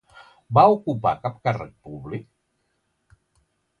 Va ocupar cap càrrec públic?